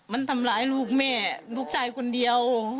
มันทำร้ายลูกแม่ลูกชายคนเดียว